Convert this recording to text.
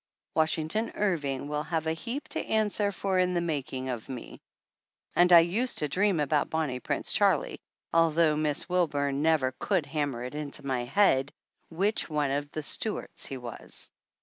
Washington Irving will have a heap to answer for in the making of me. And I used to dream about "Bonny Prince Charlie," although Miss Wilburn never could hammer it into ray head 228 THE ANNALS OF ANN which one of the Stuarts he was.